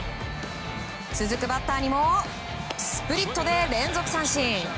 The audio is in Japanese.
続くバッターにもスプリットで連続三振。